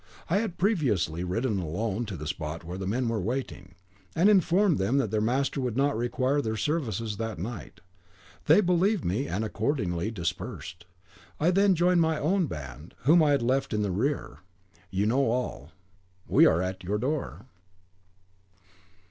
I had previously ridden alone to the spot where the men were waiting, and informed them that their master would not require their services that night. They believed me, and accordingly dispersed. I then joined my own band, whom I had left in the rear; you know all. We are at your door."